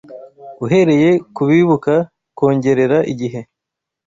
Uhereye kubibuka kongerera igihe